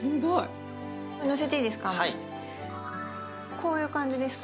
こういう感じですか？